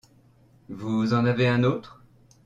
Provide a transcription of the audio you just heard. Vous en avez un autre ?